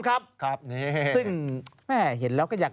ข้าะน้องดาว